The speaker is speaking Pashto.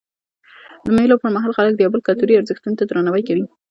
د مېلو پر مهال خلک د یو بل کلتوري ارزښتو ته درناوی کوي.